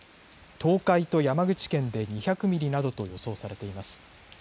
東海と山口県で２００ミリなどと予想されています。